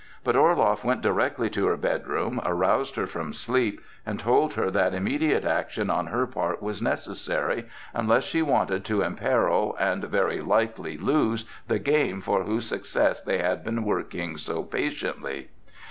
But Orloff went directly to her bedroom, aroused her from sleep and told her that immediate action on her part was necessary, unless she wanted to imperil and very likely lose the game for whose success they had been working so patiently.